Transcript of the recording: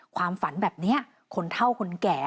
ความฝันแบบนี้คนเท่าคนแก่